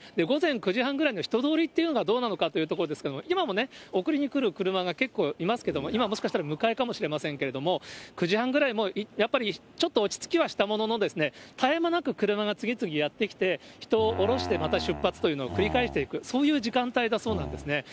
午前９時半ぐらいの人通りというのはどうなのかというところですが、今もね、送りに来る車が結構いますけれども、今、もしかしたら迎えかもしれませんけれども、９時半ぐらい、もう、やっぱりちょっと落ち着きはしたものの、絶え間なく車が次々やって来て、人を降ろして、また出発というのを繰り返していく、そういう時間帯だそうなんですね。